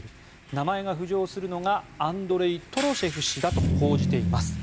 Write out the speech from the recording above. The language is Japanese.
名前が浮上するのがアンドレイ・トロシェフ氏だと報じています。